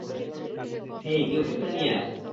হেই, কেউ কেকটা নিয়ে আয়!